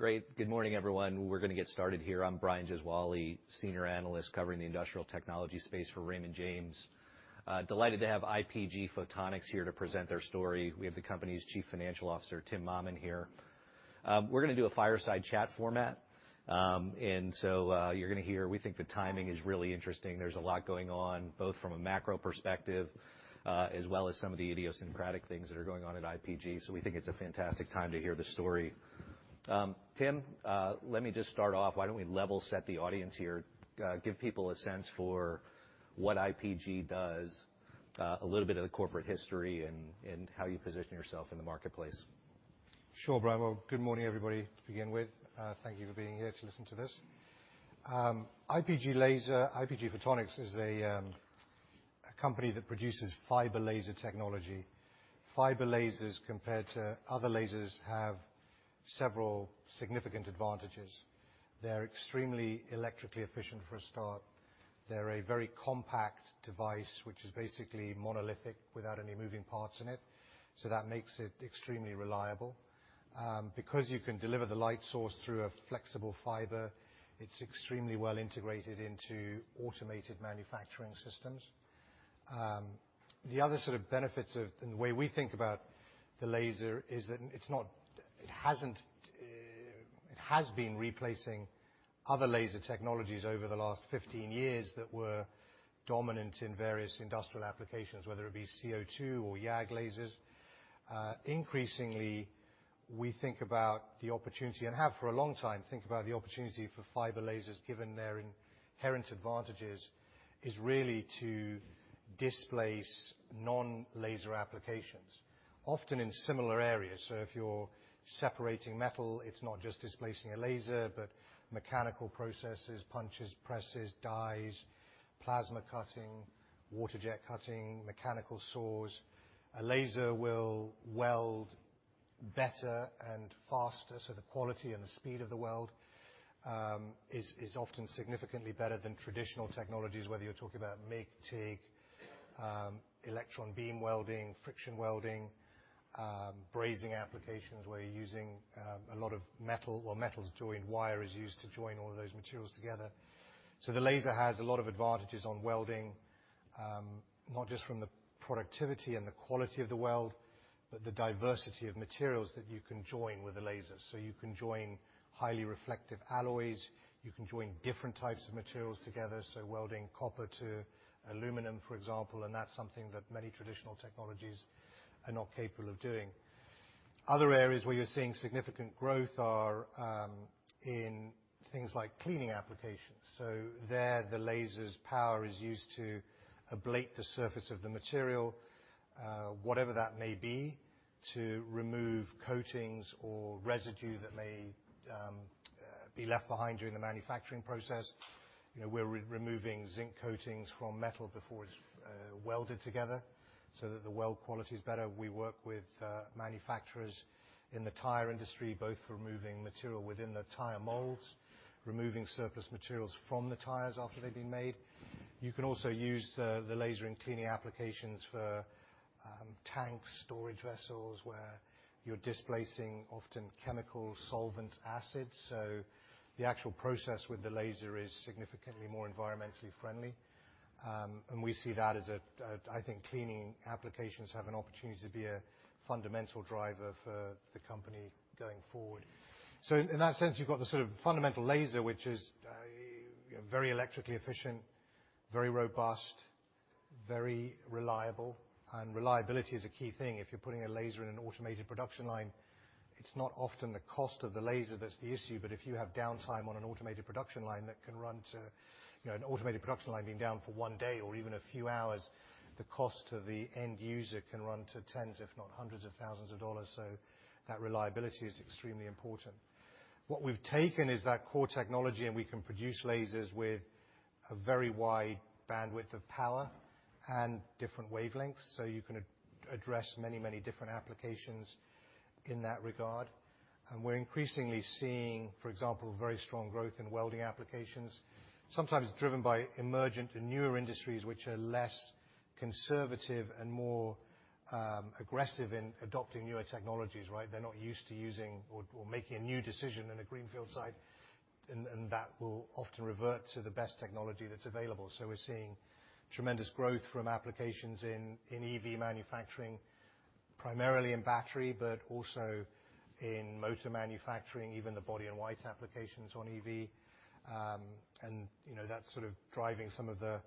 Great. Good morning, everyone. We're gonna get started here. I'm Brian Gesuale, Senior Analyst covering the industrial technology space for Raymond James. Delighted to have IPG Photonics here to present their story. We have the company's Chief Financial Officer, Timothy P.V. Mammen here. We're gonna do a fireside chat format. We think the timing is really interesting. There's a lot going on, both from a macro perspective, as well as some of the idiosyncratic things that are going on at IPG. We think it's a fantastic time to hear the story. Tim, let me just start off. Why don't we level set the audience here, give people a sense for what IPG does, a little bit of the corporate history and how you position yourself in the marketplace. Sure, Brian. Well, good morning, everybody, to begin with. Thank you for being here to listen to this. IPG Photonics is a company that produces fiber laser technology. Fiber lasers compared to other lasers have several significant advantages. They're extremely electrically efficient, for a start. They're a very compact device, which is basically monolithic without any moving parts in it, so that makes it extremely reliable. Because you can deliver the light source through a flexible fiber, it's extremely well integrated into automated manufacturing systems. The other sort of benefits in the way we think about the laser is that it has been replacing other laser technologies over the last 15 years that were dominant in various industrial applications, whether it be CO2 or YAG lasers. Increasingly, we think about the opportunity, and have for a long time think about the opportunity for fiber lasers, given their inherent advantages, is really to displace non-laser applications, often in similar areas. If you're separating metal, it's not just displacing a laser, but mechanical processes, punches, presses, dies, plasma cutting, water jet cutting, mechanical saws. A laser will weld better and faster, so the quality and the speed of the weld is often significantly better than traditional technologies, whether you're talking about MIG, TIG, electron beam welding, friction welding, brazing applications where you're using a lot of metal or metals to join wire is used to join all of those materials together. The laser has a lot of advantages on welding, not just from the productivity and the quality of the weld, but the diversity of materials that you can join with the laser. You can join highly reflective alloys, you can join different types of materials together, so welding copper to aluminum, for example, and that's something that many traditional technologies are not capable of doing. Other areas where you're seeing significant growth are in things like cleaning applications. There, the laser's power is used to ablate the surface of the material, whatever that may be, to remove coatings or residue that may be left behind during the manufacturing process. You know, we're re-removing zinc coatings from metal before it's welded together so that the weld quality is better. We work with manufacturers in the tire industry, both removing material within the tire molds, removing surplus materials from the tires after they've been made. You can also use the laser in cleaning applications for tanks, storage vessels, where you're displacing often chemical solvent acid. The actual process with the laser is significantly more environmentally friendly, and we see that as I think cleaning applications have an opportunity to be a fundamental driver for the company going forward. In that sense, you've got the sort of fundamental laser, which is, you know, very electrically efficient, very robust, very reliable, and reliability is a key thing. If you're putting a laser in an automated production line, it's not often the cost of the laser that's the issue, but if you have downtime on an automated production line that can run to, you know, an automated production line being down for 1 day or even a few hours, the cost to the end user can run to tens if not hundreds of thousands of dollars. That reliability is extremely important. What we've taken is that core technology, and we can produce lasers with a very wide bandwidth of power and different wavelengths, so you can address many, many different applications in that regard. We're increasingly seeing, for example, very strong growth in welding applications, sometimes driven by emergent and newer industries which are less conservative and more aggressive in adopting newer technologies, right? They're not used to using or making a new decision in a greenfield site, and that will often revert to the best technology that's available. We're seeing tremendous growth from applications in EV manufacturing, primarily in battery, but also in motor manufacturing, even the body-in-white applications on EV. You know, that's sort of driving some of the...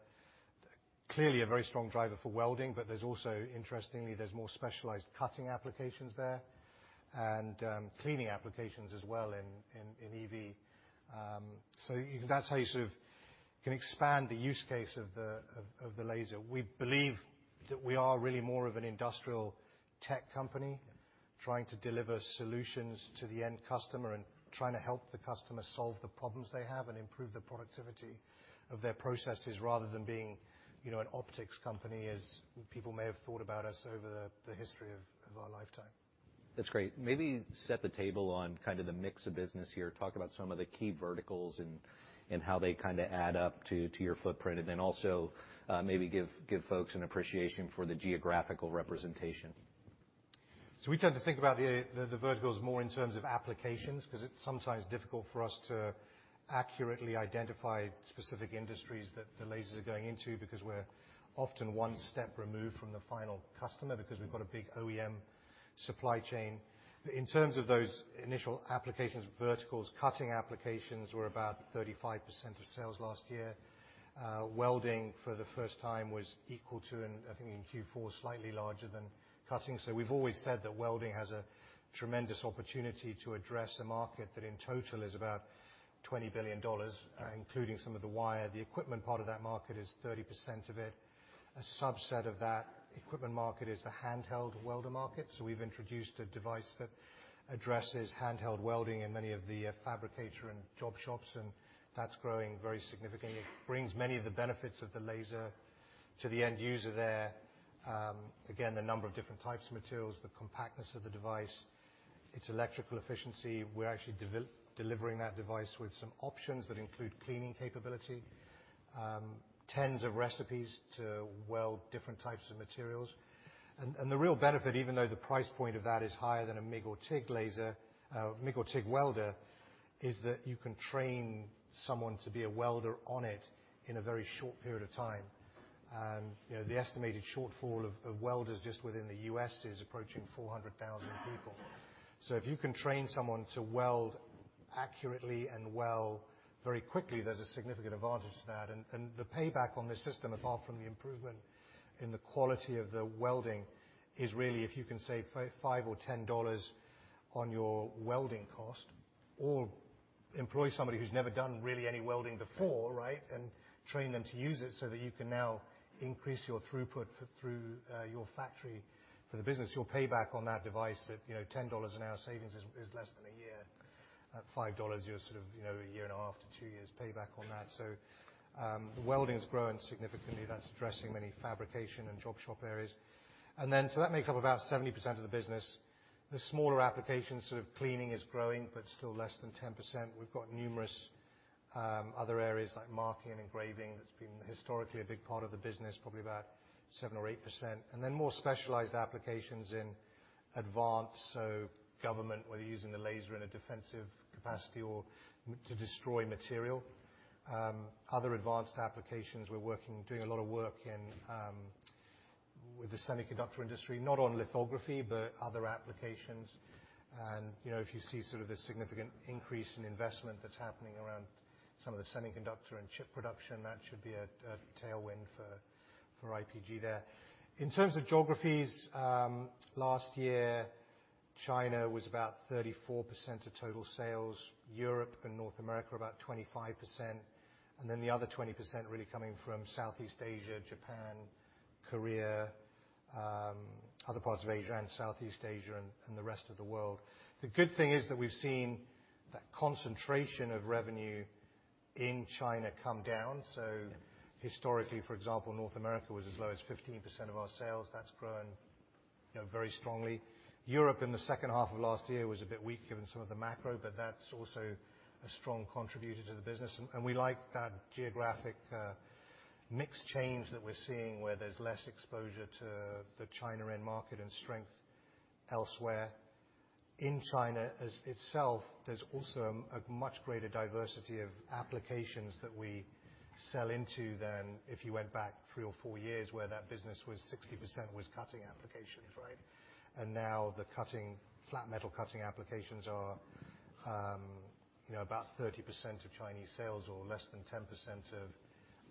Clearly a very strong driver for welding, but there's also interestingly, there's more specialized cutting applications there, and cleaning applications as well in EV. That's how you sort of can expand the use case of the laser. We believe that we are really more of an industrial tech company trying to deliver solutions to the end customer and trying to help the customer solve the problems they have and improve the productivity of their processes rather than being, you know, an optics company, as people may have thought about us over the history of our lifetime. That's great. Maybe set the table on kind of the mix of business here. Talk about some of the key verticals and how they kinda add up to your footprint, and then also, maybe give folks an appreciation for the geographical representation. We tend to think about the verticals more in terms of applications, because it's sometimes difficult for us to accurately identify specific industries that the lasers are going into because we're often one step removed from the final customer because we've got a big OEM supply chain. In terms of those initial applications, verticals, cutting applications were about 35% of sales last year. Welding for the first time was equal to and I think in Q4, slightly larger than cutting. We've always said that welding has a tremendous opportunity to address a market that in total is about $20 billion, including some of the wire. The equipment part of that market is 30% of it. A subset of that equipment market is the handheld welder market. We've introduced a device that addresses handheld welding in many of the fabricator and job shops, and that's growing very significantly. It brings many of the benefits of the laser to the end user there. Again, the number of different types of materials, the compactness of the device, its electrical efficiency. We're actually delivering that device with some options that include cleaning capability, tens of recipes to weld different types of materials. And the real benefit, even though the price point of that is higher than a MIG or TIG welder, is that you can train someone to be a welder on it in a very short period of time. You know, the estimated shortfall of welders just within the U.S. is approaching 400,000 people. If you can train someone to weld accurately and well very quickly, there's a significant advantage to that. The payback on this system, apart from the improvement in the quality of the welding, is really if you can save $5 or $10 on your welding cost or employ somebody who's never done really any welding before, right? Train them to use it so that you can now increase your throughput through your factory for the business. Your payback on that device at, you know, $10 an hour savings is less than a year. At $5, you're sort of, you know, a year and a half to 2 years payback on that. The welding has grown significantly. That's addressing many fabrication and job shop areas. That makes up about 70% of the business. The smaller application, sort of cleaning is growing, but still less than 10%. We've got numerous other areas like marking, engraving, that's been historically a big part of the business, probably about 7% or 8%. More specialized applications in advanced, so government, whether using the laser in a defensive capacity or to destroy material. Other advanced applications, we're doing a lot of work in with the semiconductor industry, not on lithography, but other applications. You know, if you see sort of the significant increase in investment that's happening around some of the semiconductor and chip production, that should be a tailwind for IPG there. In terms of geographies, last year, China was about 34% of total sales, Europe and North America, about 25%, the other 20% really coming from Southeast Asia, Japan, Korea, other parts of Asia and Southeast Asia and the rest of the world. The good thing is that we've seen that concentration of revenue in China come down. Historically, for example, North America was as low as 15% of our sales. That's grown, you know, very strongly. Europe in the second half of last year was a bit weak given some of the macro, but that's also a strong contributor to the business. We like that geographic mix change that we're seeing, where there's less exposure to the China end market and strength elsewhere. In China as itself, there's also a much greater diversity of applications that we sell into than if you went back three or four years where that business was 60% was cutting applications, right? Now flat metal cutting applications are, you know, about 30% of Chinese sales or less than 10% of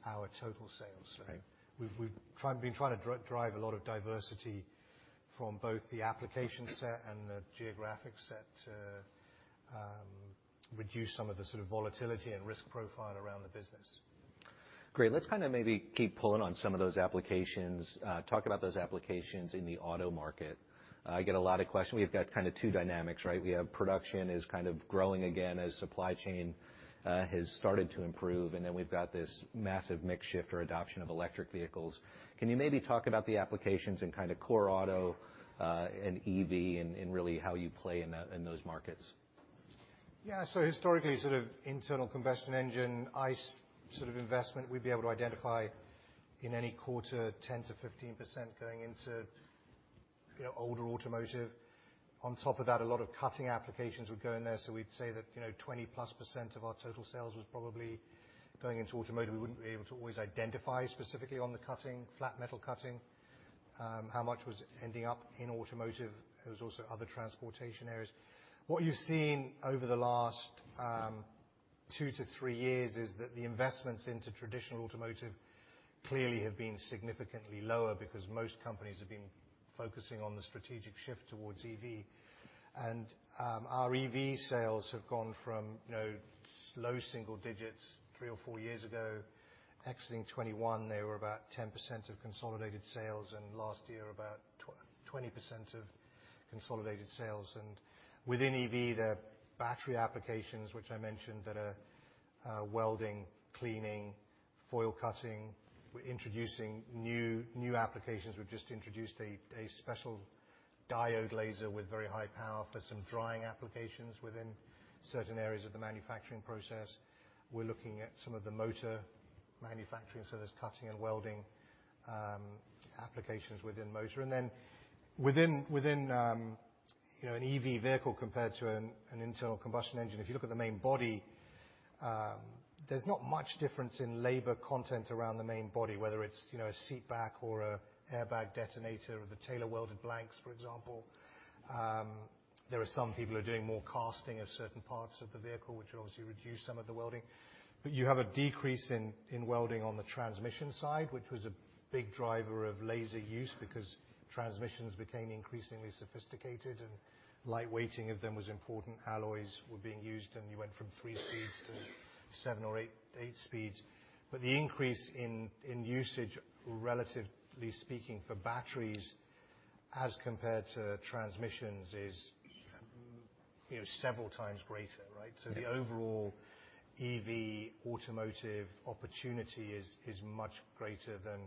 our total sales. Right. We've been trying to drive a lot of diversity from both the application set and the geographic set to reduce some of the sort of volatility and risk profile around the business. Great. Let's kind of maybe keep pulling on some of those applications. Talk about those applications in the auto market. I get a lot of questions. We've got kind of two dynamics, right? We have production is kind of growing again as supply chain has started to improve, and then we've got this massive mix shift or adoption of electric vehicles. Can you maybe talk about the applications in kind of core auto and EV and really how you play in those markets? Yeah. Historically, sort of internal combustion engine, ICE sort of investment, we'd be able to identify in any quarter 10%-15% going into, you know, older automotive. On top of that, a lot of cutting applications would go in there. We'd say that, you know, 20%+ of our total sales was probably going into automotive. We wouldn't be able to always identify specifically on the cutting, flat metal cutting, how much was ending up in automotive. There was also other transportation areas. What you've seen over the last, 2-3 years is that the investments into traditional automotive clearly have been significantly lower because most companies have been focusing on the strategic shift towards EV. Our EV sales have gone from, you know, low single digits 3 or 4 years ago, exiting 2021, they were about 10% of consolidated sales, and last year, about 20% of consolidated sales. Within EV, the battery applications, which I mentioned, that are welding, cleaning, foil cutting. We're introducing new applications. We've just introduced a special diode laser with very high power for some drying applications within certain areas of the manufacturing process. We're looking at some of the motor manufacturing, so there's cutting and welding applications within motor. Then within, you know, an EV vehicle compared to an internal combustion engine, if you look at the main body, there's not much difference in labor content around the main body, whether it's, you know, a seat back or a airbag detonator or the Tailor-Welded Blanks, for example. There are some people who are doing more casting of certain parts of the vehicle, which obviously reduce some of the welding. You have a decrease in welding on the transmission side, which was a big driver of laser use because transmissions became increasingly sophisticated and light-weighting of them was important. Alloys were being used, and you went from 3 speeds to 7 or 8 speeds. The increase in usage, relatively speaking for batteries as compared to transmissions is, you know, several times greater, right? The overall EV automotive opportunity is much greater than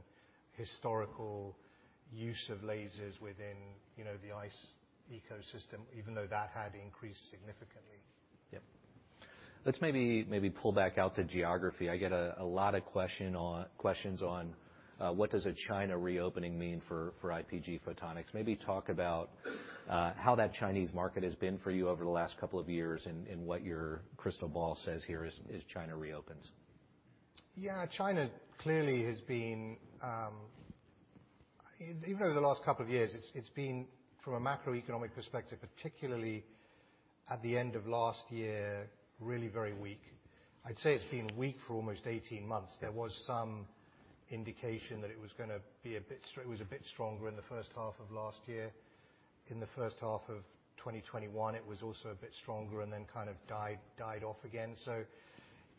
historical use of lasers within, you know, the ICE ecosystem, even though that had increased significantly. Yep. Let's maybe pull back out to geography. I get a lot of questions on what does a China reopening mean for IPG Photonics? Maybe talk about how that Chinese market has been for you over the last couple of years, and what your crystal ball says here as China reopens. Yeah. China clearly has been, even over the last couple of years, it's been from a macroeconomic perspective, particularly at the end of last year, really very weak. I'd say it's been weak for almost 18 months. There was some indication that it was gonna be a bit stronger in the first half of last year. In the first half of 2021, it was also a bit stronger and then kind of died off again.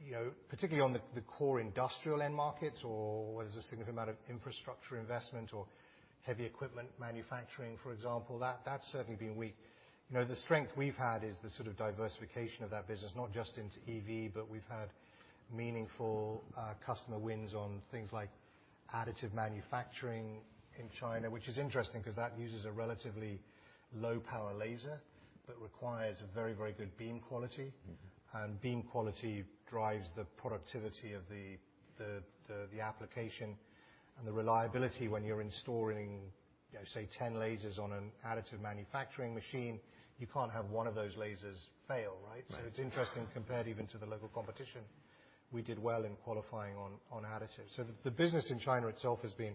You know, particularly on the core industrial end markets or where there's a significant amount of infrastructure investment or heavy equipment manufacturing, for example, that's certainly been weak. You know, the strength we've had is the sort of diversification of that business, not just into EV, but we've had meaningful customer wins on things like additive manufacturing in China, which is interesting because that uses a relatively low power laser but requires a very, very good beam quality. Mm-hmm. Beam quality drives the productivity of the application and the reliability when you're installing, you know, say, 10 lasers on an additive manufacturing machine. You can't have one of those lasers fail, right? Right. It's interesting compared even to the local competition, we did well in qualifying on additives. The business in China itself has been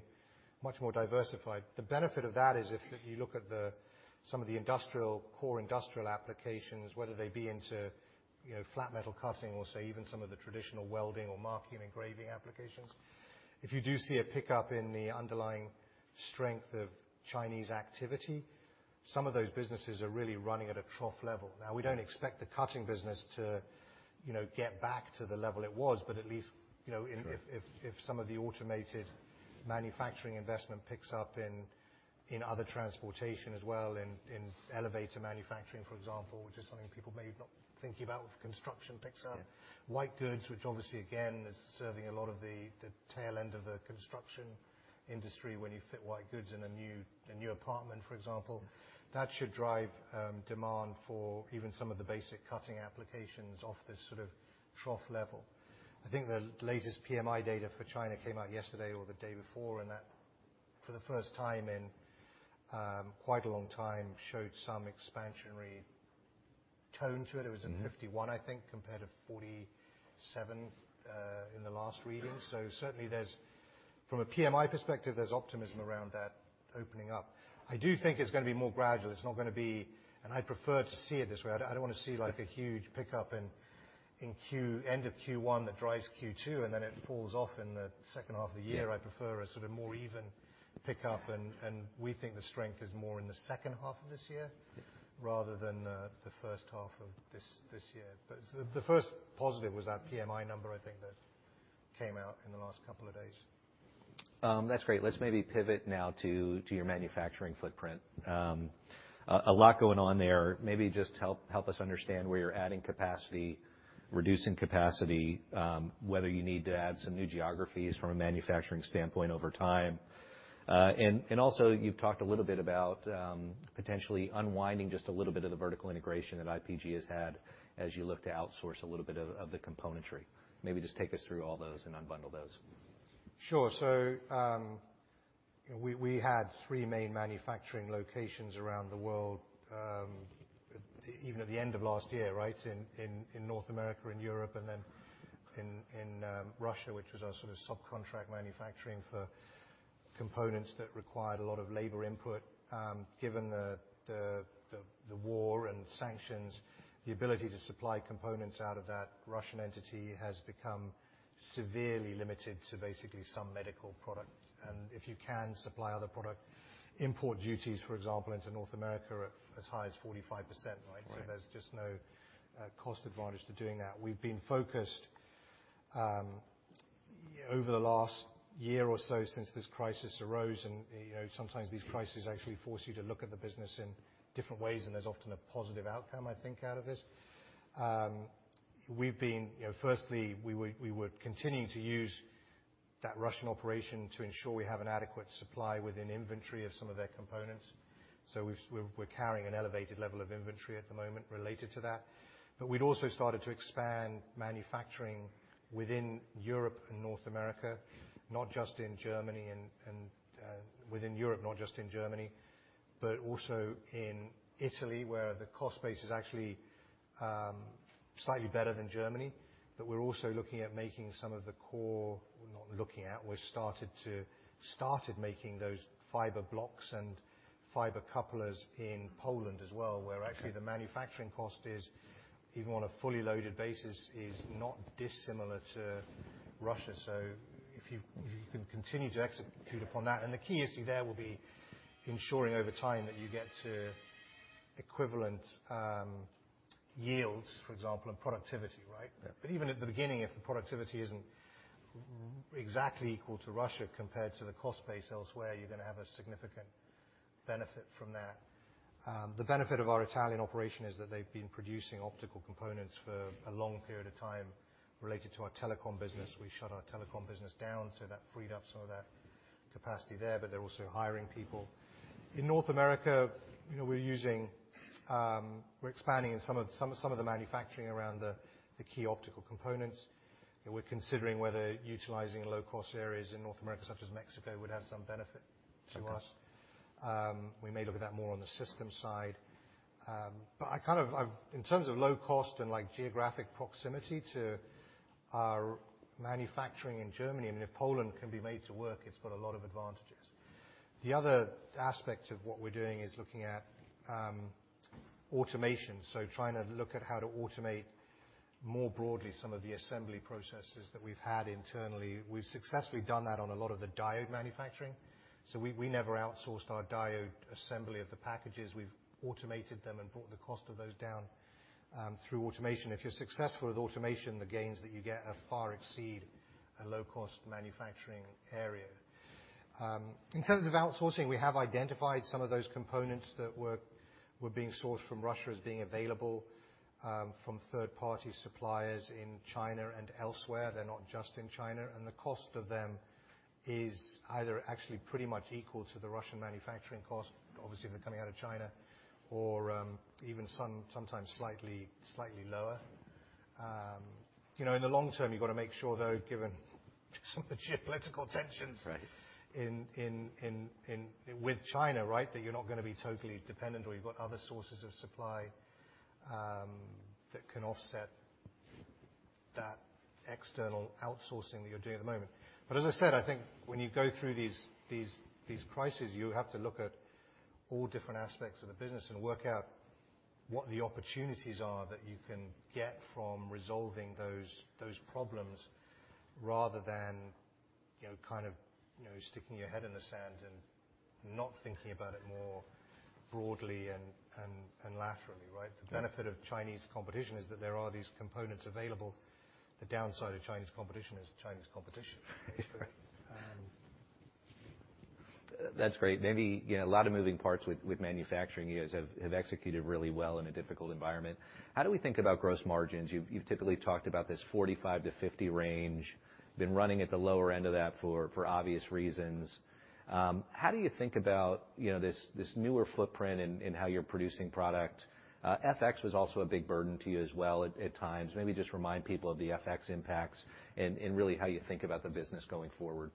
much more diversified. The benefit of that is if you look at the core industrial applications, whether they be into, you know, flat metal cutting or, say, even some of the traditional welding or marking engraving applications. If you do see a pickup in the underlying strength of Chinese activity, some of those businesses are really running at a trough level. We don't expect the cutting business to, you know, get back to the level it was, but at least, you know. Sure ...if some of the automated manufacturing investment picks up in other transportation as well, in elevator manufacturing, for example, which is something people may not think about if construction picks up. Yeah. White goods, which obviously, again, is serving a lot of the tail end of the construction industry when you fit white goods in a new apartment, for example. That should drive demand for even some of the basic cutting applications off this sort of trough level. I think the latest PMI data for China came out yesterday or the day before, and that for the first time in quite a long time, showed some expansionary tone to it. Mm-hmm. It was in 51, I think, compared to 47, in the last reading. Certainly there's from a PMI perspective, there's optimism around that opening up. I do think it's gonna be more gradual. It's not gonna be... And I prefer to see it this way. I don't wanna see like a huge pickup in end of Q1 that drives Q2, and then it falls off in the second half of the year. Yeah. I prefer a sort of more even pickup, and we think the strength is more in the second half of this year. Yeah rather than the first half of this year. The first positive was that PMI number, I think, that came out in the last couple of days. That's great. Let's maybe pivot now to your manufacturing footprint. A lot going on there. Maybe just help us understand where you're adding capacity, reducing capacity, whether you need to add some new geographies from a manufacturing standpoint over time. Also you've talked a little bit about potentially unwinding just a little bit of the vertical integration that IPG has had as you look to outsource a little bit of the componentry. Maybe just take us through all those and unbundle those. Sure. We had 3 main manufacturing locations around the world, even at the end of last year, right? In North America and Europe, in Russia, which was our sort of subcontract manufacturing for components that required a lot of labor input. Given the war and sanctions, the ability to supply components out of that Russian entity has become severely limited to basically some medical product. If you can supply other product, import duties, for example, into North America are as high as 45%, right? Right. There's just no cost advantage to doing that. We've been focused over the last year or so since this crisis arose, and, you know, sometimes these crises actually force you to look at the business in different ways, and there's often a positive outcome, I think, out of this. You know, firstly, we would continue to use that Russian operation to ensure we have an adequate supply within inventory of some of their components. We're carrying an elevated level of inventory at the moment related to that. We'd also started to expand manufacturing within Europe and North America, not just in Germany and, within Europe, not just in Germany, but also in Italy, where the cost base is actually slightly better than Germany. We're also looking at making some of the core... Not looking at, we've started making those fiber blocks and fiber couplers in Poland as well, where actually the manufacturing cost is, even on a fully loaded basis, is not dissimilar to Russia. If you, if you can continue to execute upon that. The key issue there will be ensuring over time that you get to equivalent yields, for example, and productivity, right? Yeah. Even at the beginning, if the productivity isn't exactly equal to Russia compared to the cost base elsewhere, you're gonna have a significant benefit from that. The benefit of our Italian operation is that they've been producing optical components for a long period of time related to our telecom business. We shut our telecom business down, so that freed up some of that capacity there, but they're also hiring people. In North America, you know, we're using, we're expanding in some of the manufacturing around the key optical components. We're considering whether utilizing low-cost areas in North America, such as Mexico, would have some benefit to us. Okay. We may look at that more on the systems side. I kind of, in terms of low cost and like geographic proximity to our manufacturing in Germany, I mean, if Poland can be made to work, it's got a lot of advantages. The other aspect of what we're doing is looking at automation, so trying to look at how to automate more broadly some of the assembly processes that we've had internally. We've successfully done that on a lot of the diode manufacturing. We, we never outsourced our diode assembly of the packages. We've automated them and brought the cost of those down through automation. If you're successful with automation, the gains that you get far exceed a low-cost manufacturing area. In terms of outsourcing, we have identified some of those components that were being sourced from Russia as being available from third-party suppliers in China and elsewhere. They're not just in China. The cost of them is either actually pretty much equal to the Russian manufacturing cost, obviously if they're coming out of China, or even sometimes slightly lower. You know, in the long term, you've got to make sure though, given some of the geopolitical tensions... Right. in With China, right? That you're not gonna be totally dependent, or you've got other sources of supply that can offset that external outsourcing that you're doing at the moment. As I said, I think when you go through these crises, you have to look at all different aspects of the business and work out what the opportunities are that you can get from resolving those problems, rather than, you know, kind of, you know, sticking your head in the sand and not thinking about it more broadly and laterally, right? Yeah. The benefit of Chinese competition is that there are these components available. The downside of Chinese competition is Chinese competition. That's great. Maybe, you know, a lot of moving parts with manufacturing. You guys have executed really well in a difficult environment. How do we think about gross margins? You've typically talked about this 45%-50% range, been running at the lower end of that for obvious reasons. How do you think about, you know, this newer footprint in how you're producing product? FX was also a big burden to you as well at times. Maybe just remind people of the FX impacts and really how you think about the business going forward.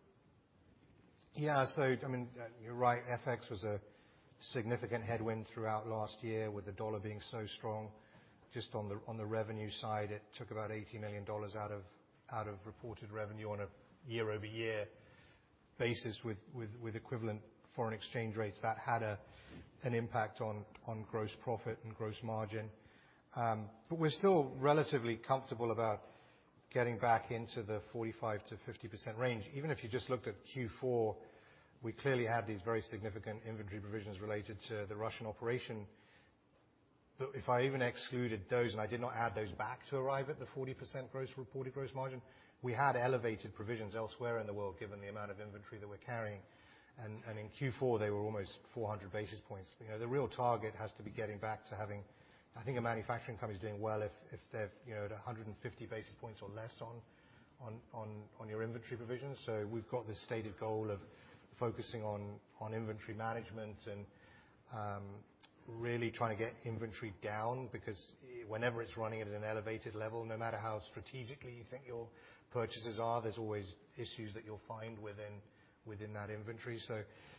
I mean, you're right, FX was a significant headwind throughout last year with the dollar being so strong. Just on the revenue side, it took about $80 million out of reported revenue on a year-over-year basis with equivalent foreign exchange rates. That had an impact on gross profit and gross margin. We're still relatively comfortable about getting back into the 45%-50% range. Even if you just looked at Q4, we clearly had these very significant inventory provisions related to the Russian operation. If I even excluded those, and I did not add those back to arrive at the 40% reported gross margin, we had elevated provisions elsewhere in the world, given the amount of inventory that we're carrying. In Q4, they were almost 400 basis points. You know, the real target has to be getting back to having. I think a manufacturing company is doing well if they're, you know, at 150 basis points or less on your inventory provisions. We've got this stated goal of focusing on inventory management and really trying to get inventory down because whenever it's running at an elevated level, no matter how strategically you think your purchases are, there's always issues that you'll find within that inventory.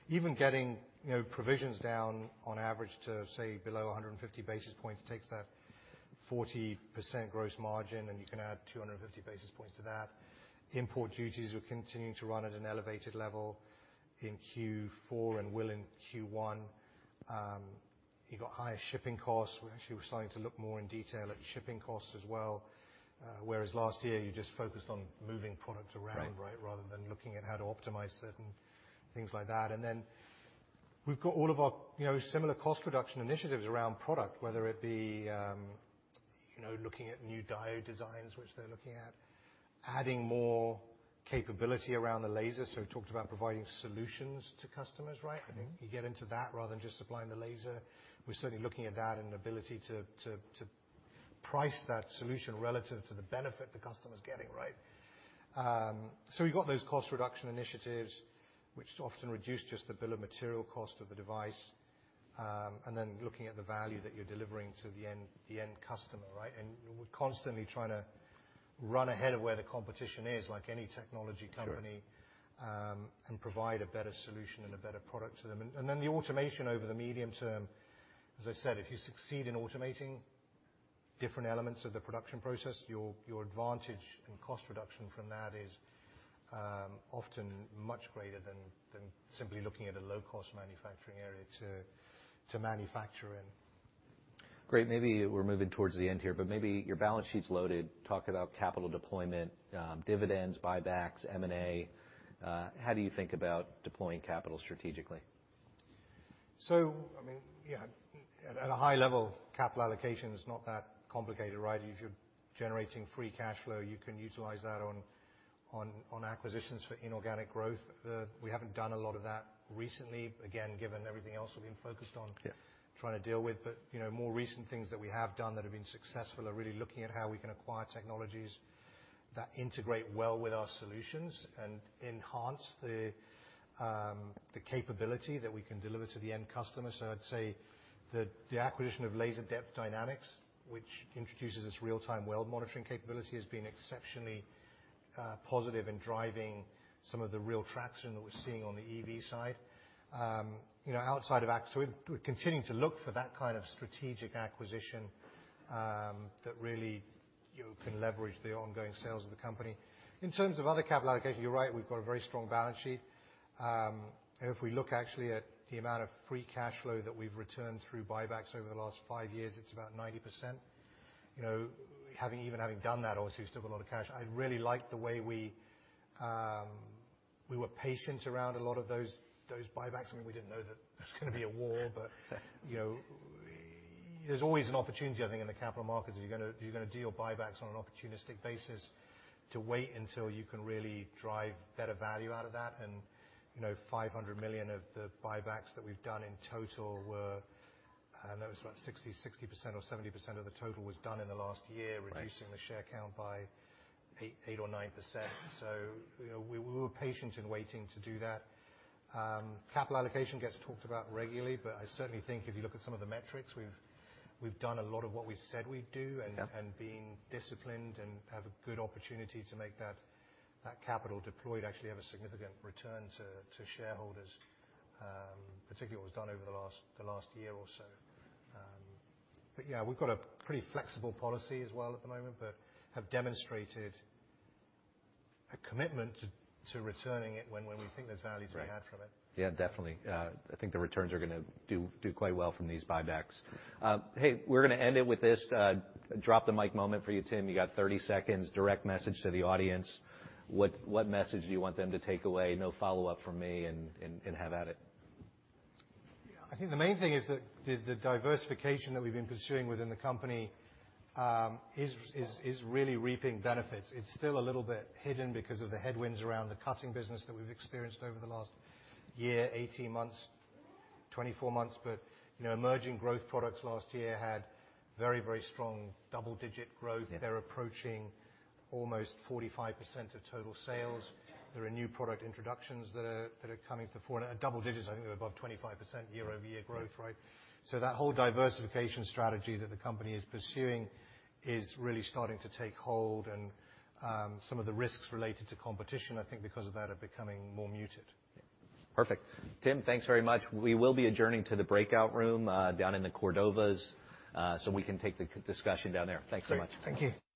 Even getting, you know, provisions down on average to, say, below 150 basis points takes that 40% gross margin, and you can add 250 basis points to that. Import duties will continue to run at an elevated level in Q4 and will in Q1. You've got higher shipping costs. We actually were starting to look more in detail at shipping costs as well. Whereas last year you just focused on moving product around. Right. -right? Rather than looking at how to optimize certain things like that. Then we've got all of our, you know, similar cost reduction initiatives around product, whether it be, you know, looking at new diode designs, which they're looking at, adding more capability around the laser. We talked about providing solutions to customers, right? Mm-hmm. I think if you get into that rather than just supplying the laser, we're certainly looking at that and ability to price that solution relative to the benefit the customer's getting, right? We've got those cost reduction initiatives, which often reduce just the bill of material cost of the device, and then looking at the value that you're delivering to the end customer, right? We're constantly trying to run ahead of where the competition is, like any technology company. Sure... and provide a better solution and a better product to them. Then the automation over the medium term, as I said, if you succeed in automating different elements of the production process, your advantage and cost reduction from that is often much greater than simply looking at a low-cost manufacturing area to manufacture in. Great. Maybe we're moving towards the end here, but maybe your balance sheet's loaded. Talk about capital deployment, dividends, buybacks, M&A, how do you think about deploying capital strategically? I mean, yeah, at a high level, capital allocation is not that complicated, right? If you're generating free cash flow, you can utilize that on acquisitions for inorganic growth. We haven't done a lot of that recently, again, given everything else we've been focused on. Yeah... trying to deal with. You know, more recent things that we have done that have been successful are really looking at how we can acquire technologies that integrate well with our solutions and enhance the capability that we can deliver to the end customer. I'd say that the acquisition of Laser Depth Dynamics, which introduces this real-time weld monitoring capability, has been exceptionally positive in driving some of the real traction that we're seeing on the EV side. You know, outside of we're continuing to look for that kind of strategic acquisition that really you can leverage the ongoing sales of the company. In terms of other capital allocation, you're right, we've got a very strong balance sheet. If we look actually at the amount of free cash flow that we've returned through buybacks over the last 5 years, it's about 90%. You know, even having done that, obviously, we've still got a lot of cash. I really like the way we were patient around a lot of those buybacks. I mean, we didn't know that there was gonna be a war. You know, there's always an opportunity, I think, in the capital markets if you're gonna, if you're gonna do your buybacks on an opportunistic basis, to wait until you can really drive better value out of that. You know, $500 million of the buybacks that we've done in total were, that was about 60% or 70% of the total was done in the last year. Right reducing the share count by 8% or 9%. You know, we were patient in waiting to do that. Capital allocation gets talked about regularly, but I certainly think if you look at some of the metrics, we've done a lot of what we said we'd do. Yeah... and been disciplined and have a good opportunity to make that capital deployed actually have a significant return to shareholders, particularly what was done over the last year or so. Yeah, we've got a pretty flexible policy as well at the moment, but have demonstrated a commitment to returning it when we think there's value to be had from it. Right. Yeah, definitely. I think the returns are gonna do quite well from these buybacks. Hey, we're gonna end it with this drop-the-mic moment for you, Tim. You got 30 seconds direct message to the audience. What, what message do you want them to take away? No follow-up from me and have at it. I think the main thing is that the diversification that we've been pursuing within the company, is really reaping benefits. It's still a little bit hidden because of the headwinds around the cutting business that we've experienced over the last year, 18 months, 24 months. You know, emerging growth products last year had very strong double-digit growth. Yeah. They're approaching almost 45% of total sales. There are new product introductions that are coming to the fore. At double digits, I think they're above 25% year-over-year growth, right? Yeah. That whole diversification strategy that the company is pursuing is really starting to take hold. Some of the risks related to competition, I think because of that, are becoming more muted. Perfect. Tim, thanks very much. We will be adjourning to the breakout room, down in the Cordovas, so we can take the discussion down there. Thanks so much. Great. Thank you.